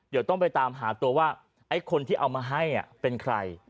เดี๋ยวต้องไปตามหาตัวว่าไอ้คนที่เอามาให้เป็นใคร